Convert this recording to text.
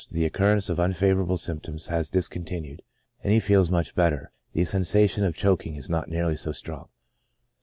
— The recurrence of unfavorable symptoms has discontinued, and he feels much better; the sensation of choking is not nearly so strong.